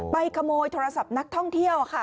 ขโมยโทรศัพท์นักท่องเที่ยวค่ะ